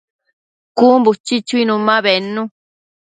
Cun buchi chuinu ma bednu